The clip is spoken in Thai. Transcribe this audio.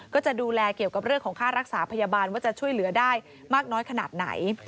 ก็จะดูแลเกี่ยวกับเรื่องของค่ารักษาพยาบาลว่าจะช่วยเหลือได้มากน้อยขนาดไหน